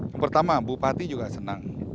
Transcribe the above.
yang pertama bupati juga senang